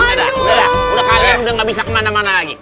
udah kalian udah gak bisa kemana mana lagi